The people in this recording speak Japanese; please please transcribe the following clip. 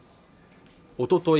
おととい